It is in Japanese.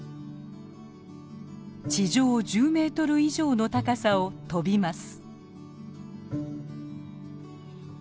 地上１０メートル以上の高さを飛びます。